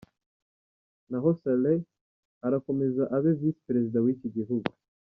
Naho Saleh arakomeza abe Visi Perezida w’iki gihugu.